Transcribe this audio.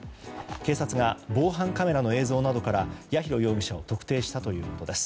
警察が防犯カメラの映像などから八尋容疑者を特定したということです。